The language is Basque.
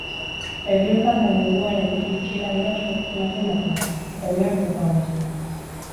Heriotza eta neguaren iritsiera dira ospakizunaren ardatza, eta umeak protagonista.